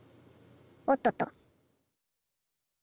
おっとっと！